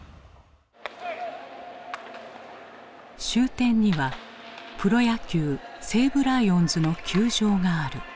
終点にはプロ野球西武ライオンズの球場がある。